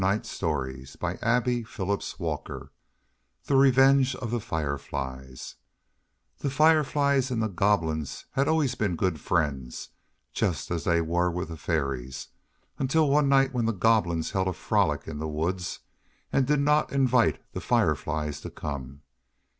THE REVENGE OF THE FIREFLIES [Illustration: Revenge of the Fireflies] The Fireflies and the Goblins had always been good friends, just as they were with the Fairies, until one night when the Goblins held a frolic in the woods and did not invite the Fireflies to come.